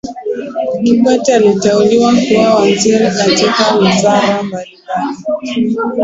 kikwete aliteuliwa kuwa waziri katika wizara mbalimbali